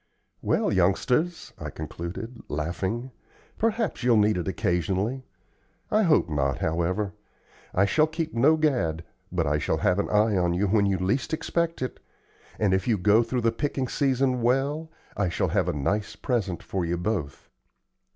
"Well, youngsters," I concluded, laughing, "perhaps you'll need it occasionally. I hope not, however. I shall keep no gad, but I shall have an eye on you when you least expect it; and if you go through the picking season well, I shall have a nice present for you both.